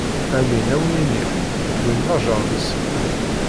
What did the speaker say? Amin, ad wen-iniɣ: Wwin lajeṛ-nsen.